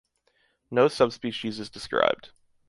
No subspecies is described.